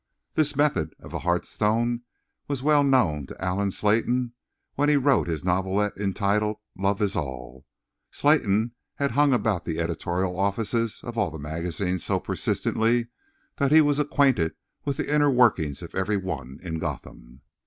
This method of the Hearthstone was well known to Allen Slayton when he wrote his novelette entitled "Love Is All." Slayton had hung about the editorial offices of all the magazines so persistently that he was acquainted with the inner workings of every one in Gotham.